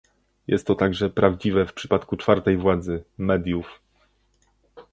Jest to także prawdziwe w przypadku czwartej władzy, mediów